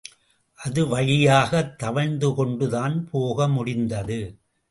அது வழியாகத் தவழ்ந்துகொண்டுதான் போக முடிந்தது.